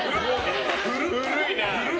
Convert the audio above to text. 古いな。